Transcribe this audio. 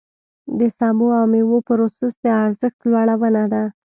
د سبو او مېوو پروسس د ارزښت لوړونه ده.